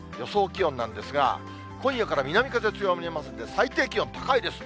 気温なんですが、今夜から南風強まりますので、最低気温、高いです。